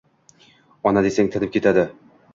«Ona desang tinib ketadi